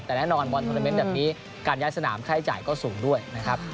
แต่แน่นอนบอลทวนาเมนต์แบบนี้การย้ายสนามค่าใช้จ่ายก็สูงด้วยนะครับ